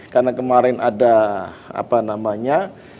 karena kemarin ada apa namanya